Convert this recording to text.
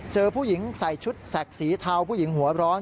เจอผู้หญิงใส่ชุดแสกสีเทาผู้หญิงหัวร้อน